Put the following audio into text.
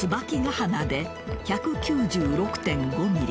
鼻で１９６．５ｍｍ